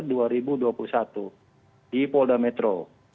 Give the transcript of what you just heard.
pada saatnya di polda metro